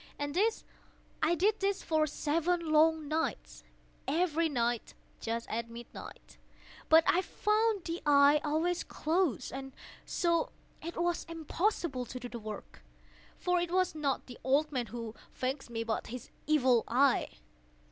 And this I did for seven long nights—every night just at midnight—but I found the eye always closed; and so it was impossible to do the work; for it was not the old man who vexed me, but his Evil Eye.